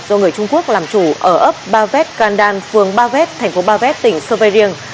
do người trung quốc làm chủ ở ấp ba vét càn đan phường ba vét thành phố ba vét tỉnh sơ vây riêng